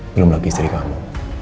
belum lagi istri kamu